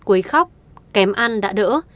cuối khóc kém ăn đã đỡ